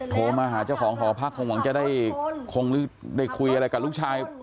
โทรมาหาเจ้าของหอพักคงหวังจะได้คงหรือได้คุยอะไรกับลูกชาย